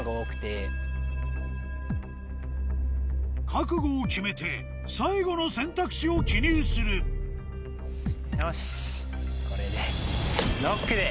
覚悟を決めて最後の選択肢を記入するよしこれでＬＯＣＫで！